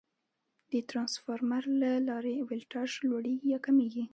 د ترانسفارمر له لارې ولټاژ لوړېږي یا کمېږي.